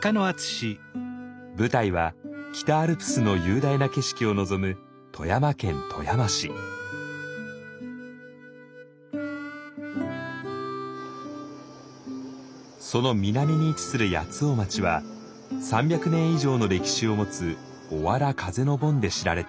舞台は北アルプスの雄大な景色を望むその南に位置する八尾町は３００年以上の歴史を持つ「おわら風の盆」で知られています。